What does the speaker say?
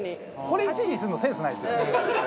これ１位にするのセンスないですよね。